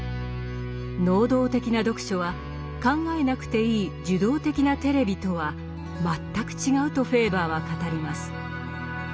能動的な読書は考えなくていい受動的なテレビとは全く違うとフェーバーは語ります。